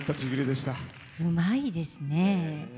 うまいですね。